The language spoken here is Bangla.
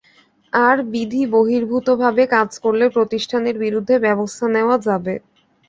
আর বিধিবহির্ভূতভাবে কাজ করলে প্রতিষ্ঠানের বিরুদ্ধে ব্যবস্থা নেওয়া যাবে।